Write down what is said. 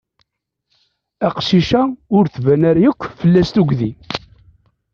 Aqcic-a ur tban ara yakk fell-as tugdi.